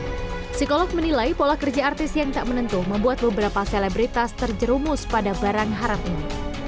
psikolog menilai pola kerja artis yang tak menentu membuat beberapa selebritas terjerumus pada barang haram ini